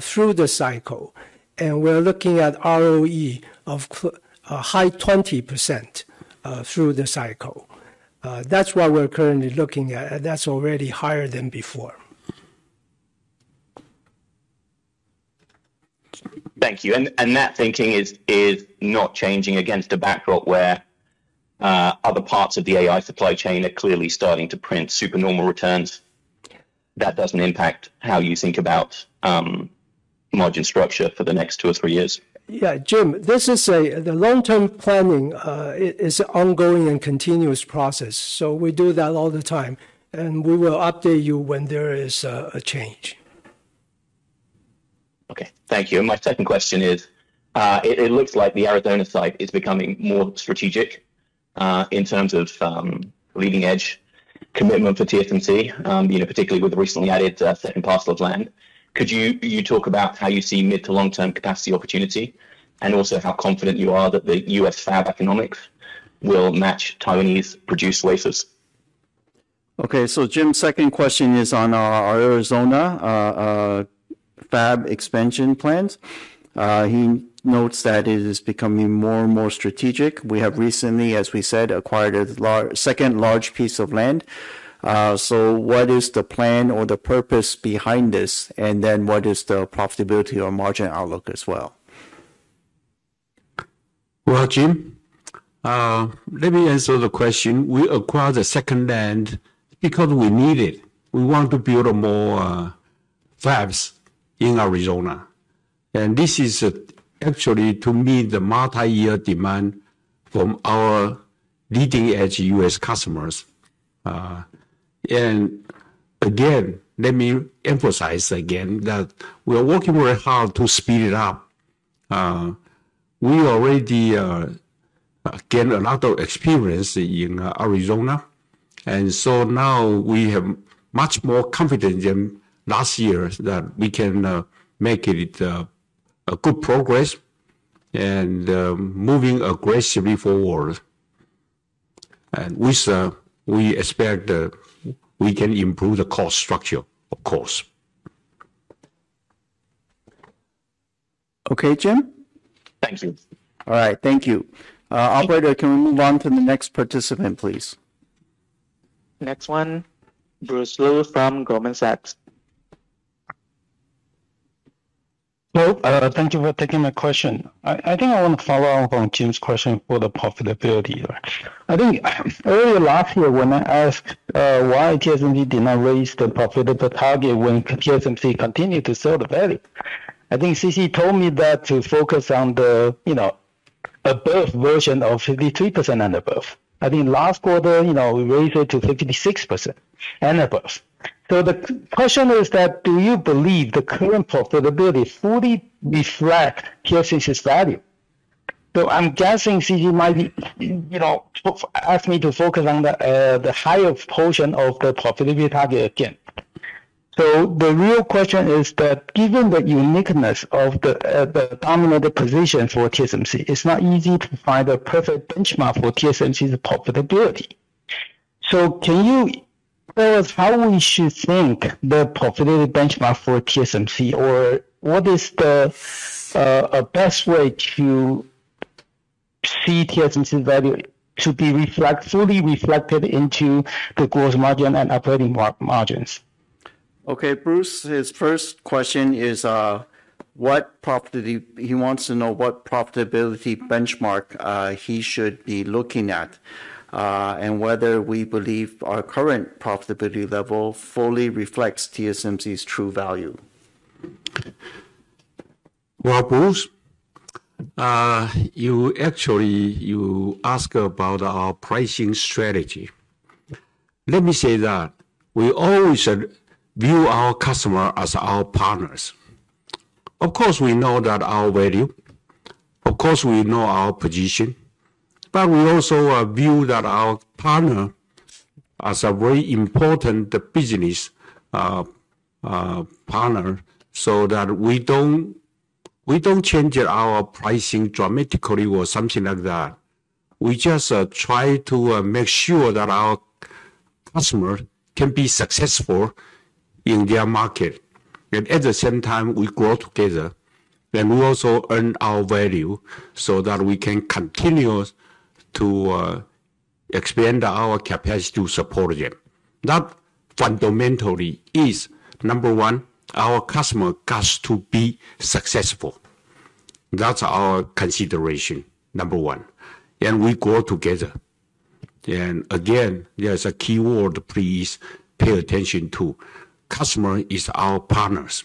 through the cycle, and we're looking at ROE of a high-20% through the cycle. That's what we're currently looking at, and that's already higher than before. Thank you. That thinking is not changing against a backdrop where other parts of the AI supply chain are clearly starting to print supernormal returns. That doesn't impact how you think about margin structure for the next two or three years? Yeah. Jim, the long-term planning is ongoing and continuous process. We do that all the time, and we will update you when there is a change. Okay. Thank you. My second question is, it looks like the Arizona site is becoming more strategic, in terms of leading edge commitment for TSMC, particularly with the recently added second parcel of land. Could you talk about how you see mid to long-term capacity opportunity? And also how confident you are that the U.S. fab economics will match Taiwanese-produced wafers? Okay. Jim, second question is on our Arizona fab expansion plans. He notes that it is becoming more and more strategic. We have recently, as we said, acquired a second large piece of land. What is the plan or the purpose behind this, and then what is the profitability or margin outlook as well? Well, Jim, let me answer the question. We acquired the second land because we need it. We want to build more fabs in Arizona. This is actually to meet the multi-year demand from our leading-edge U.S. customers. Again, let me emphasize again that we are working very hard to speed it up. We already gain a lot of experience in Arizona, and so now we have much more confidence than last year that we can make it a good progress and moving aggressively forward. We expect we can improve the cost structure, of course. Okay, Jim? Thank you. All right. Thank you. Operator, can we move on to the next participant, please? Next one, Bruce Lu from Goldman Sachs. Hello. Thank you for taking my question. I think I want to follow up on Jim's question for the profitability. I think earlier last year when I asked why TSMC did not raise the profitability target when TSMC continued to sell the value, I think CC told me that to focus on the aspiration of 53% and above. I think last quarter, we raised it to 56% and above. The question is that, do you believe the current profitability fully reflect TSMC's value? I'm guessing CC might ask me to focus on the highest portion of the profitability target again. The real question is that given the uniqueness of the dominant position for TSMC, it's not easy to find a perfect benchmark for TSMC's profitability. Can you tell us how we should think the profitability benchmark for TSMC? What is the best way to see TSMC value to be fully reflected into the gross margin and operating margins? Okay. Bruce, his first question is, he wants to know what profitability benchmark he should be looking at, and whether we believe our current profitability level fully reflects TSMC's true value. Well, Bruce, actually, you ask about our pricing strategy. Let me say that we always view our customer as our partners. Of course, we know that our value, of course we know our position, but we also view that our partner as a very important business partner, so that we don't change our pricing dramatically or something like that. We just try to make sure that our customer can be successful in their market. At the same time, we grow together, then we also earn our value so that we can continue to expand our capacity to support them. That fundamentally is, number one, our customer has to be successful. That's our consideration, number one. We grow together. Again, there's a keyword please pay attention to. Customer is our partners.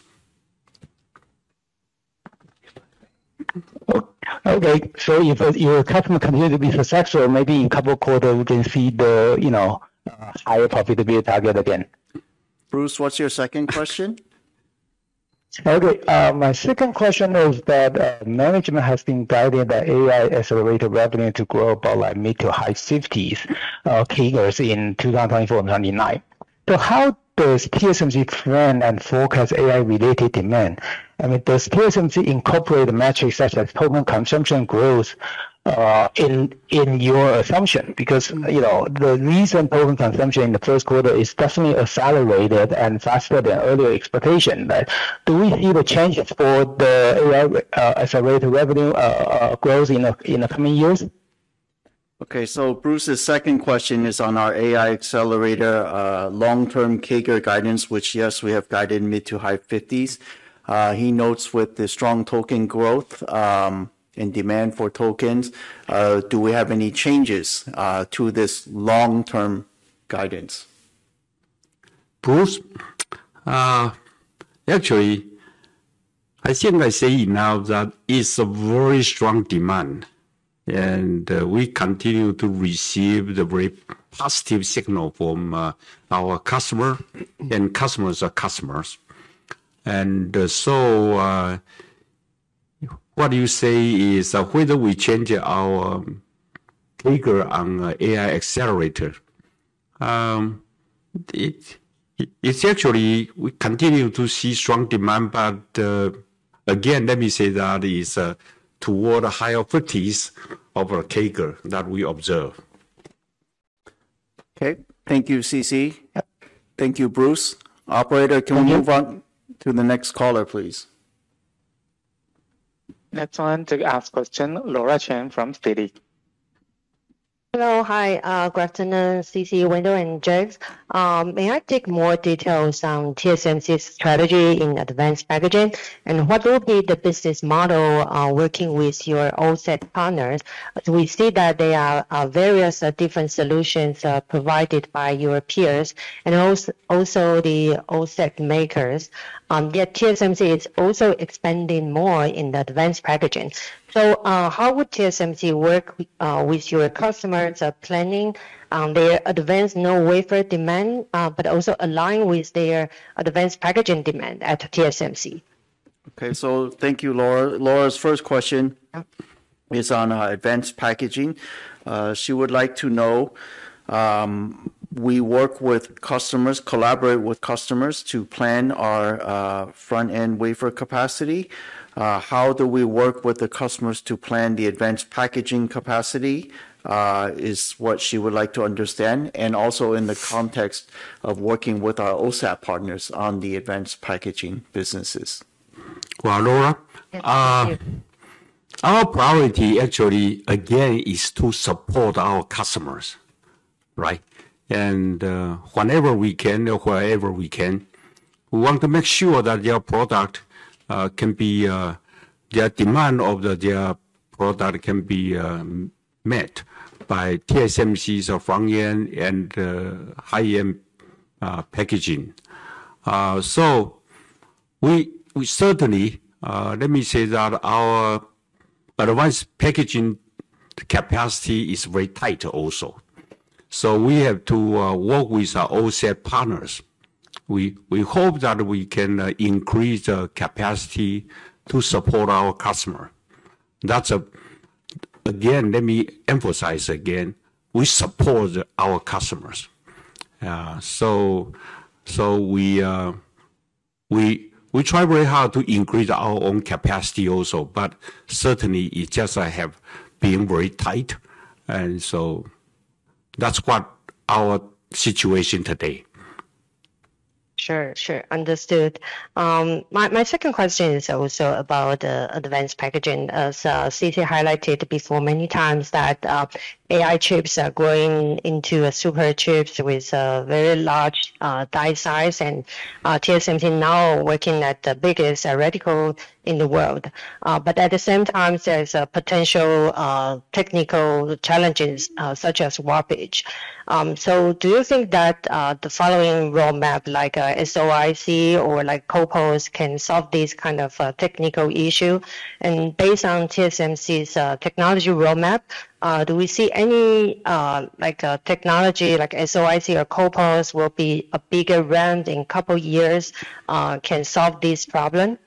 Okay. If your customer continue to be successful, maybe in couple quarter, we can see the higher profitability target again. Bruce, what's your second question? Okay. My second question is that management has been guided by AI accelerator revenue to grow about mid- to high-50s% CAGRs in 2024, 2029. How does TSMC plan and forecast AI-related demand? I mean, does TSMC incorporate a metric such as token consumption growth in your assumption? Because the recent token consumption in the first quarter is definitely accelerated and faster than earlier expectation. Do we see the changes for the AI accelerator revenue growth in the coming years? Bruce's second question is on our AI accelerator long-term CAGR guidance, which, yes, we have guided mid- to high 50s%. He notes, with the strong token growth and demand for tokens, do we have any changes to this long-term guidance? Bruce Lu, actually, I think I say now that it's a very strong demand, and we continue to receive the very positive signal from our customer and customers of customers. What you say is whether we change our CAGR on AI accelerator. Essentially, we continue to see strong demand, but, again, let me say that it's toward higher 50s% of our CAGR that we observe. Okay. Thank you, C.C. Thank you, Bruce. Operator, can we move on to the next caller, please? Next one to ask question, Laura Chen from Citi. Hello. Hi. Good afternoon, C.C., Wendell, and Jeff. May I ask for more details on TSMC's strategy in advanced packaging, and what will be the business model working with your OSAT partners? We see that there are various different solutions provided by your peers and also the OSAT makers. Yet TSMC is also expanding more in the advanced packaging. How would TSMC work with your customers planning their advanced node wafer demand, but also align with their advanced packaging demand at TSMC? Okay. Thank you, Laura. Laura's first question is on advanced packaging. She would like to know, we work with customers, collaborate with customers to plan our front-end wafer capacity. How do we work with the customers to plan the advanced packaging capacity? Is what she would like to understand, and also in the context of working with our OSAT partners on the advanced packaging businesses. Well, Laura. Our priority actually, again, is to support our customers, right? Whenever we can or wherever we can, we want to make sure that their demand of their product can be met by TSMC's front-end and high-end packaging. We certainly, let me say that our advanced packaging capacity is very tight also. We have to work with our OSAT partners. We hope that we can increase capacity to support our customer. Again, let me emphasize again, we support our customers. We try very hard to increase our own capacity also, but certainly it just have been very tight. That's what our situation today. Sure. Understood. My second question is also about advanced packaging. As C.C. highlighted before many times that AI chips are growing into a super chips with very large die size and TSMC now working at the biggest reticle in the world. At the same time, there is potential technical challenges, such as warpage. Do you think that the following roadmap, like SOIC or like CoWoS can solve this kind of technical issue? Based on TSMC's technology roadmap, do we see any technology like SOIC or CoWoS will be a bigger trend in couple years, can solve this problem?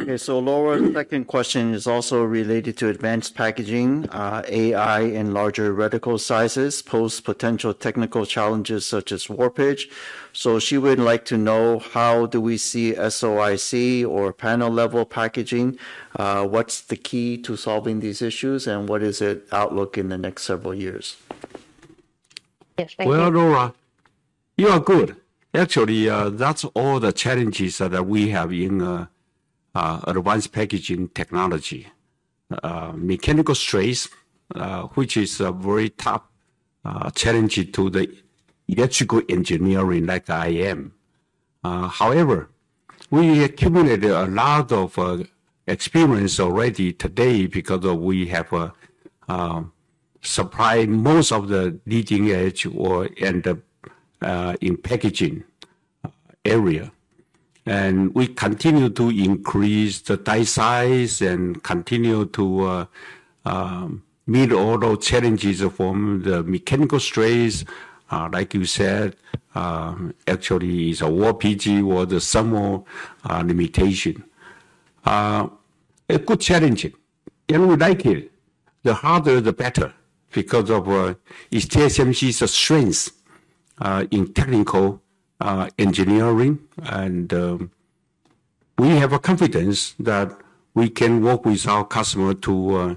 Okay. Laura, second question is also related to advanced packaging. AI and larger reticle sizes pose potential technical challenges such as warpage. She would like to know how do we see SOIC or panel level packaging? What's the key to solving these issues, and what is it outlook in the next several years? Yes. Thank you. Well, Laura, you are good. Actually, that's all the challenges that we have in advanced packaging technology. Mechanical stress, which is a very top challenge to the electrical engineering like I am. However, we accumulated a lot of experience already today because we have supplied most of the leading edge in packaging area. We continue to increase the die size and continue to meet all those challenges from the mechanical stress, like you said, actually is a warpage or the thermal limitation. A good challenge, and we like it. The harder, the better because of TSMC's strength in technical engineering. We have a confidence that we can work with our customer to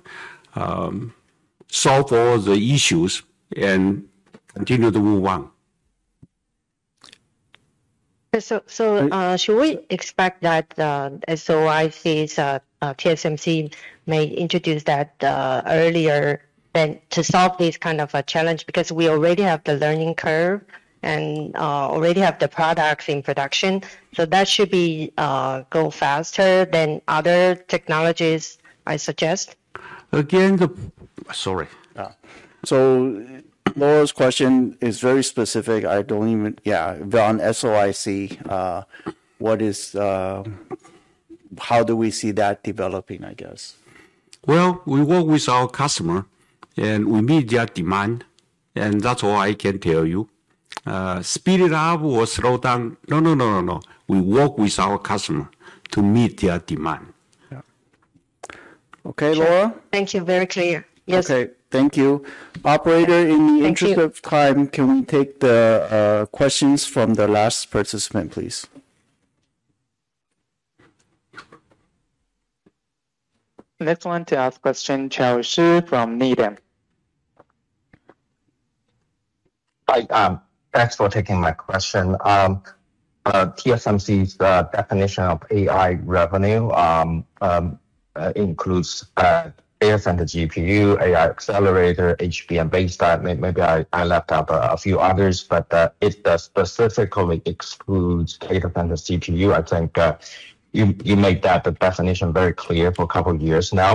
solve all the issues and continue the road one. Should we expect that SOICs, TSMC may introduce that earlier than to solve this kind of a challenge? Because we already have the learning curve and already have the products in production. That should go faster than other technologies, I suggest. Again, the... Sorry. Laura's question is very specific. Yeah, on SOIC, how do we see that developing, I guess? Well, we work with our customer, and we meet their demand, and that's all I can tell you. Speed it up or slow down. No. We work with our customer to meet their demand. Yeah. Okay, Laura? Thank you. Very clear. Yes. Okay. Thank you. Operator, in the interest of time, can we take the questions from the last participant, please? Next one to ask question, Charles Shi from Needham. Hi. Thanks for taking my question. TSMC's definition of AI revenue includes AI-centric GPU, AI accelerator, HBM base die. Maybe I left out a few others, but it specifically excludes data center CPU. I think you made that definition very clear for a couple of years now.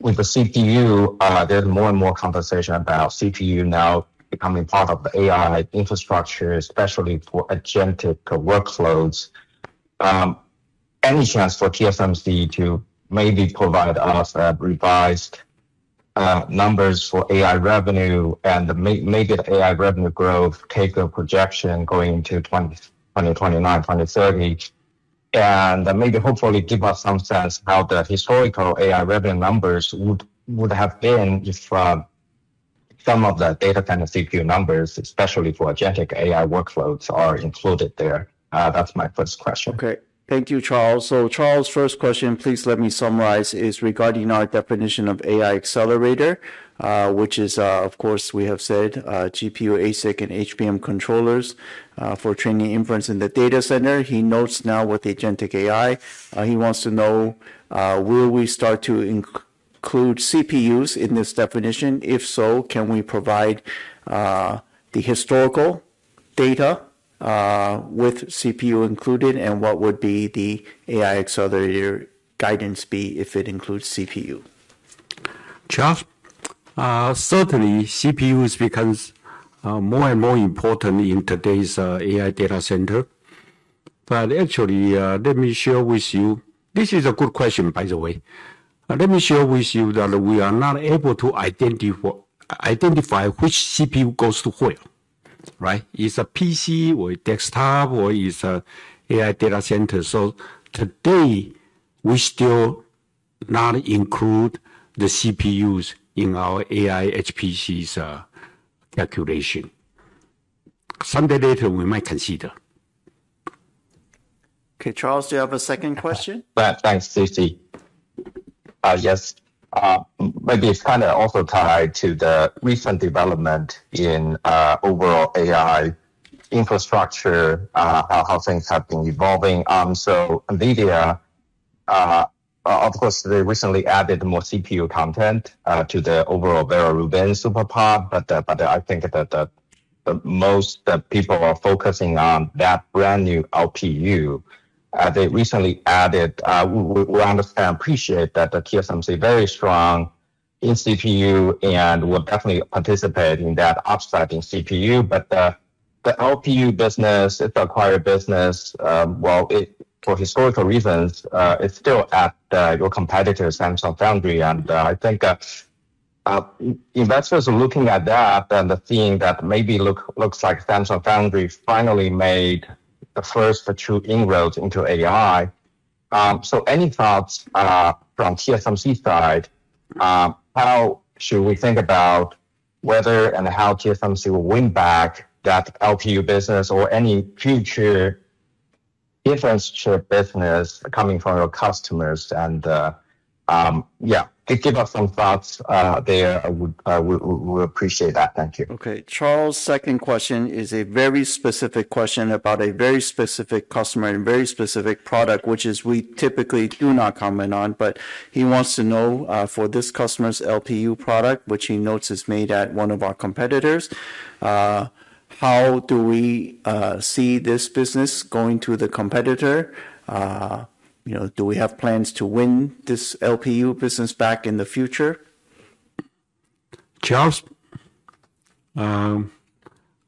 With the CPU, there's more and more conversation about CPU now becoming part of the AI infrastructure, especially for agentic workloads. Any chance for TSMC to maybe provide us revised numbers for AI revenue and maybe the AI revenue growth CapEx projection going into 2029, 2030? Maybe hopefully give us some sense how the historical AI revenue numbers would have been if some of the data center CPU numbers, especially for agentic AI workloads, are included there. That's my first question. Okay. Thank you, Charles. Charles' first question, please let me summarize, is regarding our definition of AI accelerator, which is, of course, we have said GPU, ASIC, and HBM controllers for training inference in the data center. He notes now with the agentic AI, he wants to know, will we start to include CPUs in this definition? If so, can we provide the historical data with CPU included, and what would be the AI accelerator guidance if it includes CPU? Charles, certainly CPU becomes more and more important in today's AI data center. Actually, let me share with you. This is a good question, by the way. Let me share with you that we are not able to identify which CPU goes to where, right? It's a PC or a desktop, or it's AI data center. Today, we still not include the CPUs in our AI HPC's calculation. Sometime later, we might consider. Okay. Charles, do you have a second question? Thanks, C.C. Yes. Maybe it's kind of also tied to the recent development in overall AI infrastructure, how things have been evolving. NVIDIA, of course, they recently added more CPU content to their overall NVIDIA Rubin SuperPOD, but I think that most people are focusing on that brand new LPU they recently added. We understand and appreciate that the TSMC very strong in CPU and will definitely participate in that offsetting CPU. The LPU business, it's acquired business, well, for historical reasons, it's still at your competitor, Samsung Foundry. I think investors are looking at that and the theme that maybe looks like Samsung Foundry finally made the first true inroads into AI. Any thoughts from TSMC side, how should we think about whether and how TSMC will win back that LPU business or any future difference to your business coming from your customers? Yeah, give us some thoughts there. I would appreciate that. Thank you. Okay. Charles' second question is a very specific question about a very specific customer and very specific product, which is we typically do not comment on, but he wants to know for this customer's LPU product, which he notes is made at one of our competitors, how do we see this business going to the competitor? Do we have plans to win this LPU business back in the future? Charles, I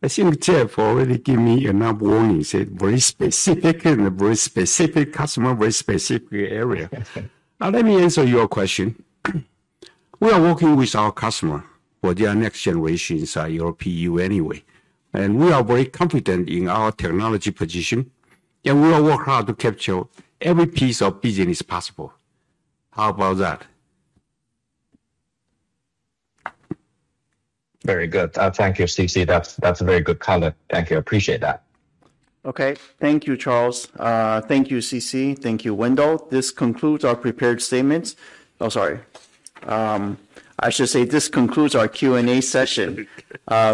think Jeff already gave me enough warning, said very specific and a very specific customer, very specific area. Now let me answer your question. We are working with our customer for their next generation inside LPU anyway, and we are very confident in our technology position, and we will work hard to capture every piece of business possible. How about that? Very good. Thank you, C.C. That's very good color. Thank you. Appreciate that. Okay. Thank you, Charles. Thank you, C.C. Thank you, Wendell. This concludes our prepared statements. Oh, sorry. I should say this concludes our Q&A session.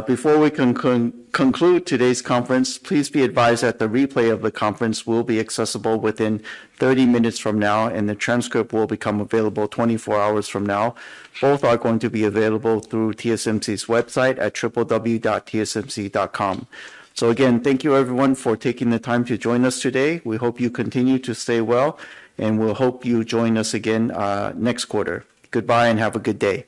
Before we conclude today's conference, please be advised that the replay of the conference will be accessible within 30 minutes from now, and the transcript will become available 24 hours from now. Both are going to be available through TSMC's website at www.tsmc.com. Again, thank you everyone for taking the time to join us today. We hope you continue to stay well, and we'll hope you join us again next quarter. Goodbye and have a good day.